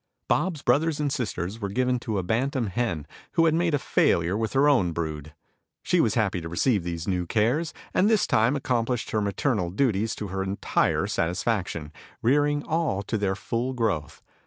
Bob's brothers and sisters were given to a bantam hen, who had made a failure with her own brood. She was happy to receive these new cares, and this time accomplished her maternal duties to her entire satisfaction, rearing all to their full growth.